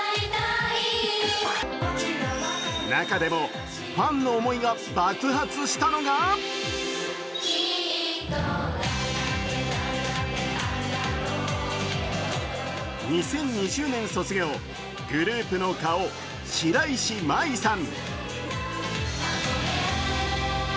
中でもファンの思いが爆発したのが２０２０年卒業、グループの顔、白石麻衣さん。